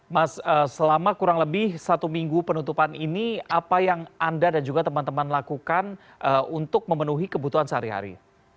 mas selama kurang lebih satu minggu penutupan ini apa yang anda dan juga teman teman lakukan untuk memenuhi kebutuhan sehari hari